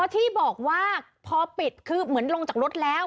ที่บอกว่าพอปิดคือเหมือนลงจากรถแล้ว